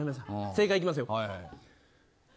正解いきますよ。